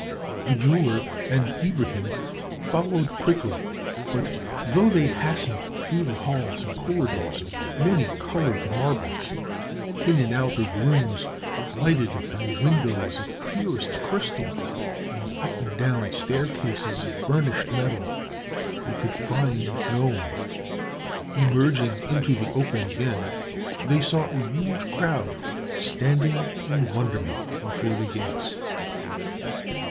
The jeweler and Ibrahim followed quickly, but though they hastened through the halls and corridors of many colored marbles, in and out of rooms lighted by windows of clearest crystal, and up and down staircases of burnished metal, they could find no one. Emerging into the open again, they saw a huge crowd standing in wonderment before the gates.